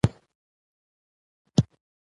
زه پرته له عینکو لیکل نشم کولای.